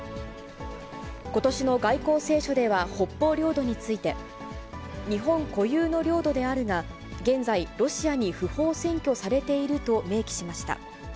ことしの外交青書では北方領土について、日本固有の領土であるが、現在、ロシアに不法占拠されていると明記しました。